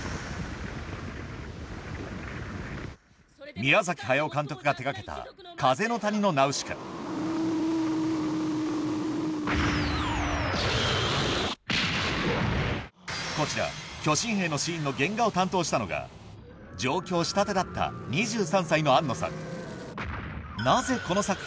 宮崎駿監督が手掛けたこちら巨神兵のシーンの原画を担当したのが上京したてだった２３歳の庵野さん